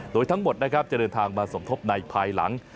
โดยทั้งหมดนะครับจะเดินทางมาสมทบในภายหลัง